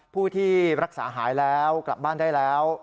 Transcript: ผู้ที่รักษาหายแล้วกลับบ้านได้แล้ว